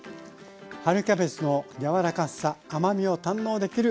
春キャベツの柔らかさ甘みを堪能できる１品です。